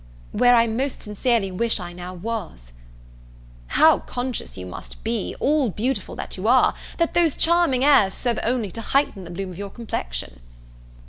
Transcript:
"Where I most sincerely wish I now was!" "How conscious you must be, all beautiful that you are, that those charming airs serve only to heighten the bloom of your complexion!"